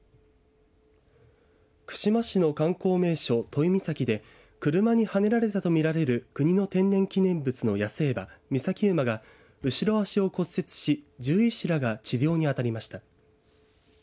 串間市の観光名所都井岬で車にはねられたと見られる国の天然記念物の野生馬岬馬が後ろ足を骨折し獣医師らが治療に当たりました。